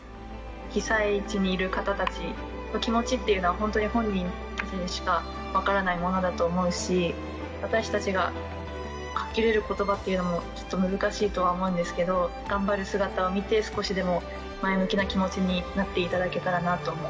被災地にいる方たちの気持ちというのは、本当に本人たちにしか分からないものだと思うし、私たちがかけれることばというもきっと難しいとは思うんですけど、頑張る姿を見て、少しでも前向きな気持ちになっていただけたらなと思う。